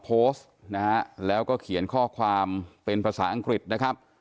โพสต์นะฮะแล้วก็เขียนข้อความเป็นภาษาอังกฤษนะครับ